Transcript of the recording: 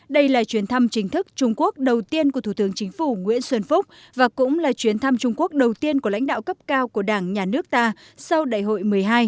đây là chuyến thăm chính thức trung quốc đầu tiên của thủ tướng chính phủ nguyễn xuân phúc và cũng là chuyến thăm trung quốc đầu tiên của lãnh đạo cấp cao của đảng nhà nước ta sau đại hội một mươi hai